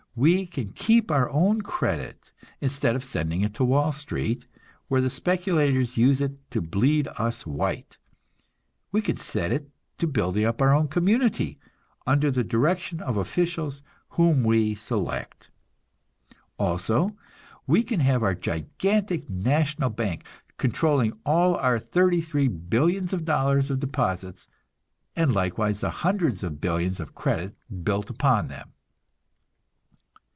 We can keep our own "credit"; instead of sending it to Wall Street, where speculators use it to bleed us white, we can set it to building up our own community, under the direction of officials whom we select. Also, we can have our gigantic national bank, controlling all our thirty three billions of dollars of deposits, and likewise the hundreds of billions of credit built upon them.